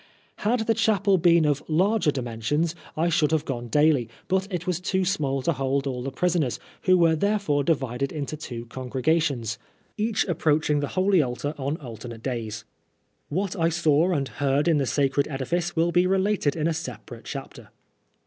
Had the chapel been of larger dimensions I should have gone daily, but it was too small to hold all the prisoners, who were therefore divided into two "congregations, each approaching the holy altar on PBISON LIFE. 137 alternate days. What I saw and heard in the sacred edifice will be related in a separate chapter.